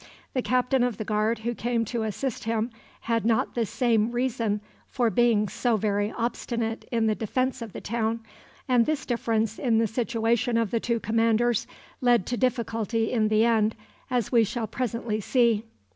The captain of the guard who came to assist him had not the same reason for being so very obstinate in the defense of the town, and this difference in the situation of the two commanders led to difficulty in the end, as we shall presently see.